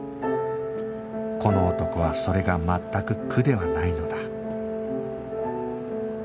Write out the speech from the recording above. この男はそれが全く苦ではないのだ